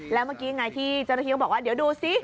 แล้วเมื่อกี้ไงที่เจ้าหน้าที่ก็บอกว่าเดี๋ยวดูสิ